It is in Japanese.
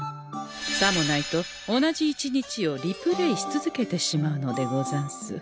さもないと同じ一日をリプレイしつづけてしまうのでござんす。